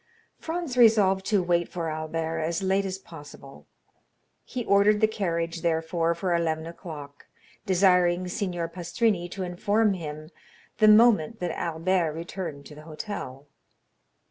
Franz resolved to wait for Albert as late as possible. He ordered the carriage, therefore, for eleven o'clock, desiring Signor Pastrini to inform him the moment that Albert returned to the hotel.